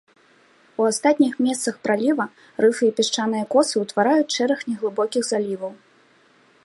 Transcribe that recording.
У астатніх месцах праліва рыфы і пясчаныя косы ўтвараюць шэраг неглыбокіх заліваў.